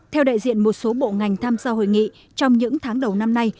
theo đại diện một số bộ ngành tham gia hội nghị trong những tháng đầu năm nay